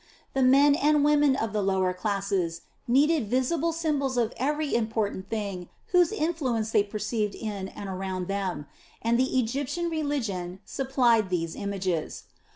The men and women of the lower classes needed visible symbols of every important thing whose influence they perceived in and around them, and the Egyptian religion supplied these images.